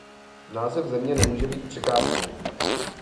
Název země nemůže být překážkou!